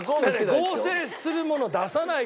合成するもの出さないから。